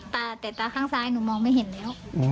ตาแต่ตาข้างซ้ายหนูมองไม่เห็นแล้ว